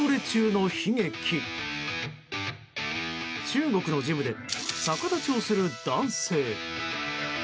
中国のジムで逆立ちをする男性。